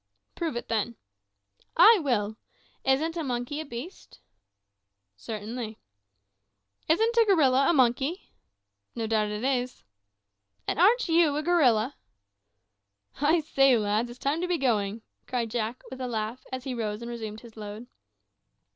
"Prove it, then." "I will. Isn't a monkey a beast?" "Certainly." "Isn't a gorilla a monkey?" "No doubt it is." "And aren't you a gorilla?" "I say, lads, it's time to be going," cried Jack, with a laugh, as he rose and resumed his load.